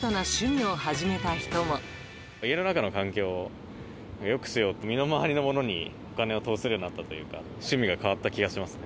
家の中の環境をよくしようと、身の回りのものにお金を投資するようになったというか、趣味が変わった気がしますね。